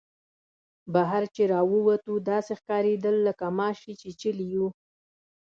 بهر چې را ووتو داسې ښکارېدل لکه غوماشې چیچلي یو.